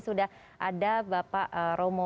sudah ada bapak romo